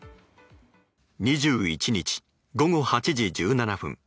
２１日、午後８時１７分。